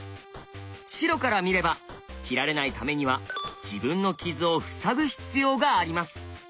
白から見れば切られないためには自分の傷を塞ぐ必要があります。